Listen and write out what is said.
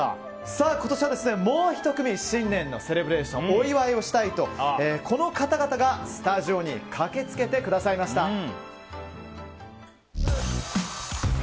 今年は、もう１組新年のセレブレーションお祝いをしたいとこの方々がスタジオに駆けつけてくださいました。